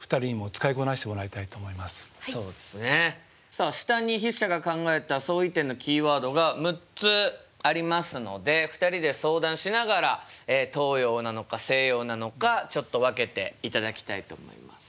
さあ下に筆者が考えた相違点のキーワードが６つありますので２人で相談しながら東洋なのか西洋なのかちょっと分けていただきたいと思います。